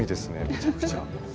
めちゃくちゃ。